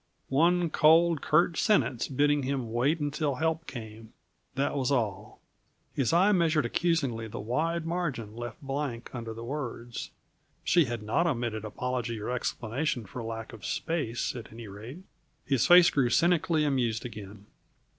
One cold, curt sentence bidding him wait until help came that was all. His eye measured accusingly the wide margin left blank under the words; she had not omitted apology or explanation for lack of space, at any rate. His face grew cynically amused again.